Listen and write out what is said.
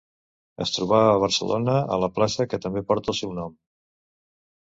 Es trobava a Barcelona, a la plaça que també porta el seu nom.